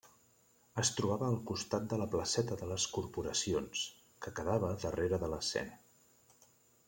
Es trobava al costat de la placeta de les Corporacions, que quedava darrere de l'escena.